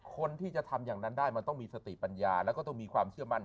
คนที่จะทำอย่างนั้นได้มันต้องมีสติปัญญาแล้วก็ต้องมีความเชื่อมั่น